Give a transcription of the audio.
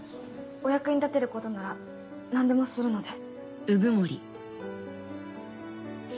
お役に立てることなら何でもするので。